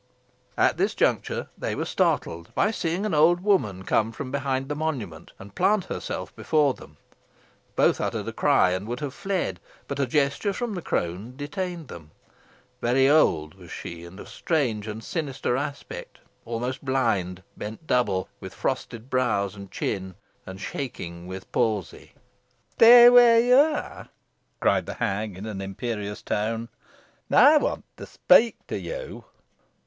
At this juncture they were startled, by seeing an old woman come from behind the monument and plant herself before them. Both uttered a cry, and would have fled, but a gesture from the crone detained them. Very old was she, and of strange and sinister aspect, almost blind, bent double, with frosted brows and chin, and shaking with palsy. "Stay where you are," cried the hag, in an imperious tone. "I want to speak to you.